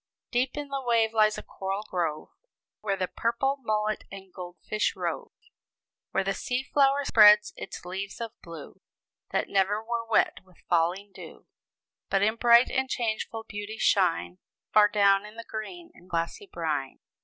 "Deep in the wave lies a coral grove, Where the purple mullet and goldfish rove; Where the seaflower spreads its leaves of blue, That never were wet with falling dew; But in bright and changeful beauty, shine Far down in the green and glassy brine."